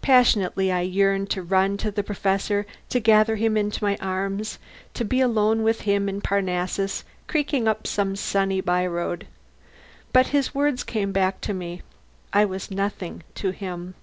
Passionately I yearned to run to the Professor, to gather him into my arms, to be alone with him in Parnassus, creaking up some sunny by road. But his words came back to me: I was nothing to him.